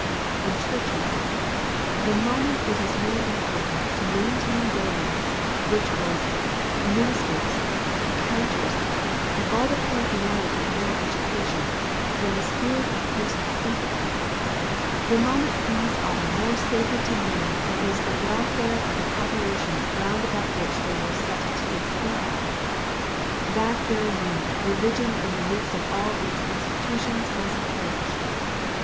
In churches, the moment it is more important to maintain buildings, rituals, ministers, chanters, and all the paraphernalia of moral education than the spirit of personal sympathy, the moment these are more sacred to men than is the welfare of the population round about which they were set to take care of, that very moment Christ is dead in that place; that very moment religion in the midst of all its institutions has perished.